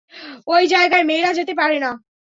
ওই জায়গায় মেয়েরা যেতে পারে না।